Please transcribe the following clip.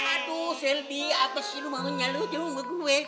aduh shelby apa sih lo mau nyelutin sama gue